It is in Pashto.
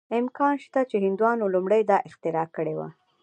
امکان شته چې هندوانو لومړی دا اختراع کړې وه.